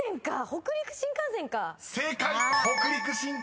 「北陸新幹線」です］